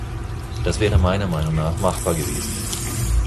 Das wäre meiner Meinung nach machbar gewesen.